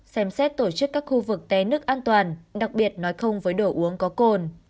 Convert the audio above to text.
xem xét tổ chức các khu vực té nước an toàn đặc biệt nói không với đồ uống có cồn